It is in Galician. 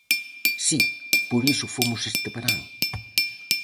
Si, por iso fomos este verán.